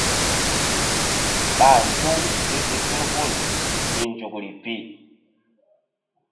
Ɓa ŋgi̧ u ké si tul hul hi̧ nzukri pi.